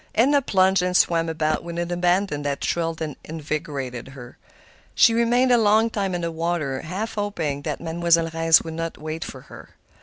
Edna plunged and swam about with an abandon that thrilled and invigorated her. She remained a long time in the water, half hoping that Mademoiselle Reisz would not wait for her.